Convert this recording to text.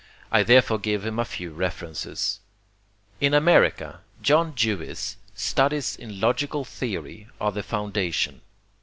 I therefore give him a few references. In America, John Dewey's 'Studies in Logical Theory' are the foundation.